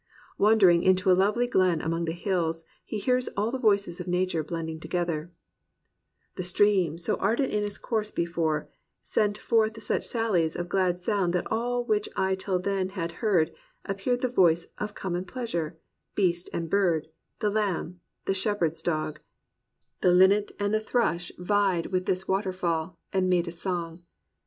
Wandering into a lovely glen among the hills, he hears all the voices of nature blending together: "The Stream, so ardent in its course before, Sent forth such sallies of glad sound that all Which I till then had heard, appeared the voice Of common pleasure: beast and bird, the lamb, The shepherd's dog, the linnet and the thrush 209 COMPANIONABLE BOOKS Vied with this waterfall, and made a song.